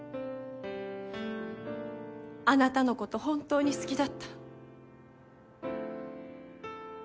あなたのこと本当に好きだった。